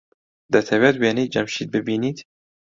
دەتەوێت وێنەی جەمشید ببینیت؟